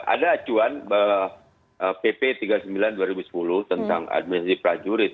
ada acuan pp tiga puluh sembilan dua ribu sepuluh tentang administrasi prajurit